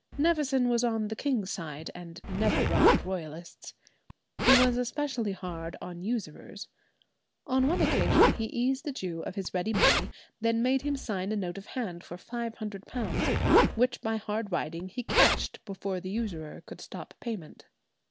Nevison was on the king's side, and never robbed Royalists. He was especially hard on usurers. On one occasion he eased a Jew of his ready money, then made him sign a note of hand for five hundred pounds, which by hard riding he cashed before the usurer could stop payment.